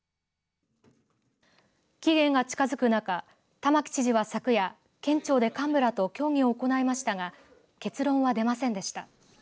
期限が近づく中、玉城知事は昨夜県庁で幹部らと協議を行いましたが結論は出ませんでした。